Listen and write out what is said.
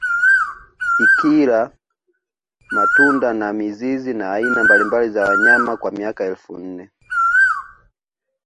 Ikila matunda na mizizi na aina mbalimbali za wanyama kwa miaka elfu nne